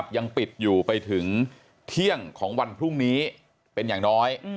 ยังปิดอยู่ไปถึงเที่ยงของวันพรุ่งนี้เป็นอย่างน้อย